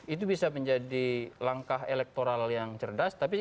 itu bisa menjadi langkah elektoral yang cerdas